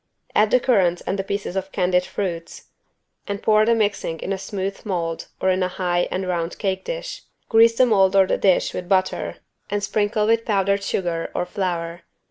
Add the currants and the pieces of candied fruits and pour the mixing in a smooth mold or in a high and round cake dish. Grease the mold or the dish with butter and sprinkle with powdered sugar or flour.